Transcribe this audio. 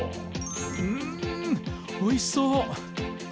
うーん、おいしそう！